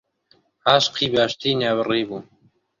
عاشقی باشترین هاوڕێی بوو.